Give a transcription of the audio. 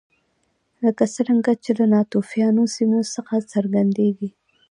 لکه څرنګه چې له ناتوفیانو سیمو څخه څرګندېږي